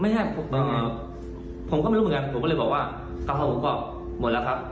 ผมก็ไม่รู้เหมือนกันผมก็เลยบอกว่ากะเพราผมก็หมดแล้วครับ